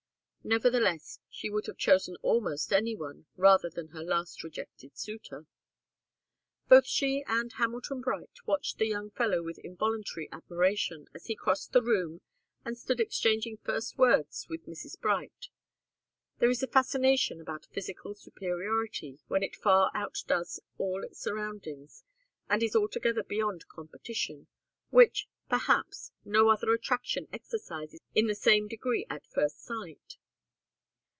Nevertheless, she would have chosen almost any one rather than her last rejected suitor. Both she and Hamilton Bright watched the young fellow with involuntary admiration as he crossed the room and stood exchanging first words with Mrs. Bright. There is a fascination about physical superiority when it far outdoes all its surroundings and is altogether beyond competition which, perhaps, no other attraction exercises in the same degree at first sight.